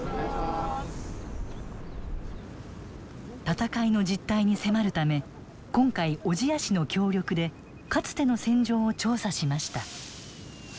戦いの実態に迫るため今回小千谷市の協力でかつての戦場を調査しました。